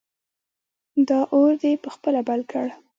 دا اور دې په خپله بل کړ!